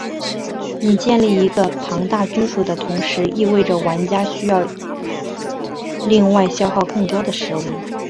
你建立一个庞大军队的同时意味着玩家需要另外消耗更多的食物。